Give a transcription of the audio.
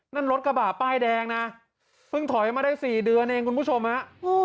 นั่นรถกระบะป้ายแดงนะเพิ่งถอยมาได้๔เดือนเองคุณผู้ชมฮะ